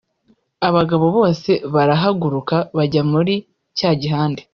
Abagabo bose barahaguruka bajya muri cya gihande